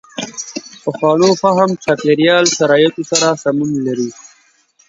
پخوانو فهم چاپېریال شرایطو سره سمون لري.